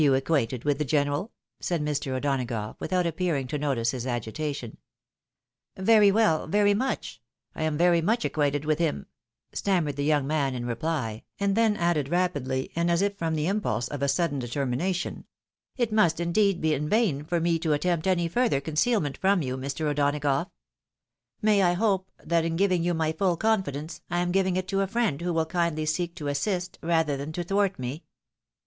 acquainted with the general? " said Mr. O'Dona gough, without appearing to notice his agitation. " Very well — very much — ^I am very much acquainted with • SECEESY PROMISED. 249 him,'' stammered the young man in reply, and then 'added rapidly, and as if from the impulse of a sudden determination, " It must, indeed, be in vain for me to attempt any further concealment from you, Mr. O'Donagough. May I hope that in giving you my full confidence, I am giving it to a friend ■who vrill kindly seek to assist rather than to thwart me